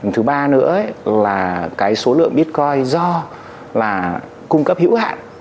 thứ ba nữa là cái số lượng bitcoin do là cung cấp hữu hạn